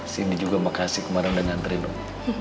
sini juga makasih kemarin udah ngantriin om